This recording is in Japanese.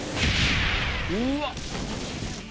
うーわっ。